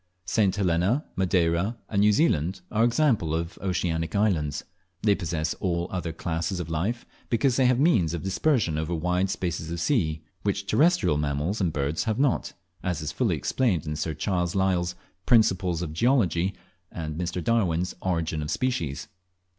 St. Helena, Madeira, and New Zealand are examples of oceanic islands. They possess all other classes of life, because these have means of dispersion over wide spaces of sea, which terrestrial mammals and birds have not, as is fully explained in Sir Charles Lyell's "Principles of Geology," and Mr. Darwin's "Origin of Species."